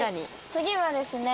次はですね